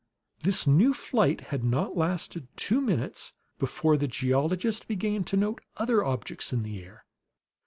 This new flight had not lasted two minutes before the geologist began to note other objects in the air.